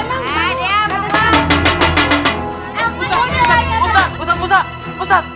kayak ada yang manggil saya ya